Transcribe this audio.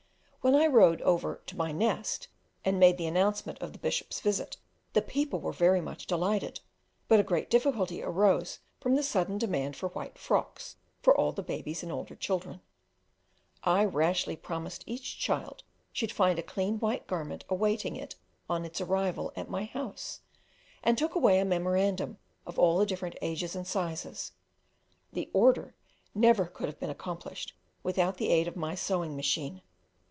When I rode over to my "nest" and made the announcement of the Bishop's visit, the people were very much delighted; but a great difficulty arose from the sudden demand for white frocks for all the babies and older children. I rashly promised each child should find a clean white garment awaiting it on its arrival at my house, and took away a memorandum of all the different ages and sizes; the "order" never could have been accomplished without the aid of my sewing machine.